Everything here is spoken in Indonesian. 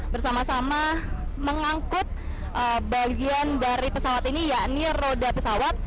bersama sama mengangkut bagian dari pesawat ini yakni roda pesawat